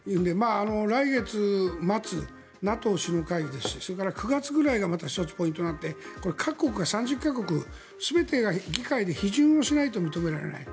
来月末、ＮＡＴＯ首脳会議ですしそれから９月ぐらいがまたポイントになって各国が３０か国全てが議会で批准をしないと認められない。